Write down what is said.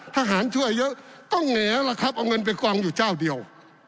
ทหารช่วยเยอะต้องเหงล่ะครับเอาเงินไปกองอยู่เจ้าเดียว